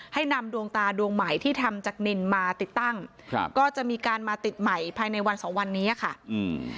ให้นำดวงตาดวงใหม่ที่ทำจากนินมาติดตั้งครับก็จะมีการมาติดใหม่ภายในวันสองวันนี้อ่ะค่ะอืม